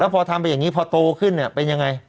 แล้วพอทำไปอย่างนี้พอโตขึ้นเป็นอย่างไร